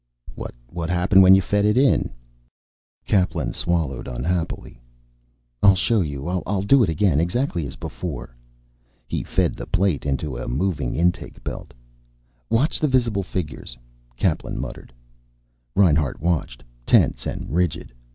"What happened when you fed it?" Kaplan swallowed unhappily. "I'll show you. I'll do it again. Exactly as before." He fed the plate into a moving intake belt. "Watch the visible figures," Kaplan muttered. Reinhart watched, tense and rigid.